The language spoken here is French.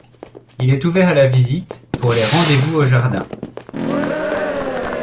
Il est ouvert à la visite pour les Rendez-vous aux jardins.